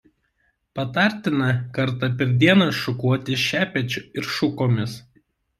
Patartina kartą per dieną šukuoti šepečiu ir šukomis.